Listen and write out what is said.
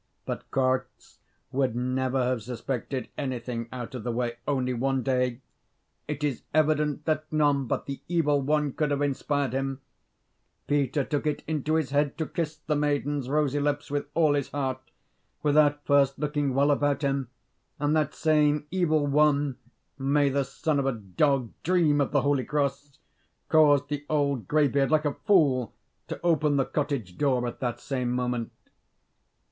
But Korzh would never have suspected anything out of the way, only one day it is evident that none but the Evil One could have inspired him Peter took into his head to kiss the maiden's rosy lips with all his heart, without first looking well about him; and that same Evil One may the son of a dog dream of the holy cross! caused the old grey beard, like a fool, to open the cottage door at that same moment.